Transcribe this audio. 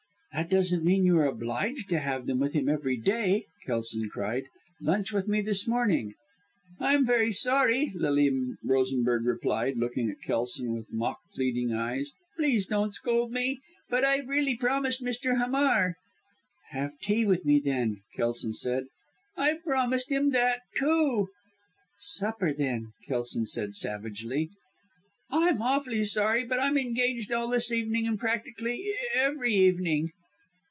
"That doesn't mean you are obliged to have them with him every day!" Kelson cried. "Lunch with me this morning." "I am very sorry," Lilian Rosenberg replied, looking at Kelson with mock pleading eyes, "please don't scold me, but I've really promised Mr. Hamar." "Have tea with me, then," Kelson said. "I've promised him that, too." "Supper then!" Kelson said, savagely. "I'm awfully sorry, but I'm engaged all this evening, and practically every evening."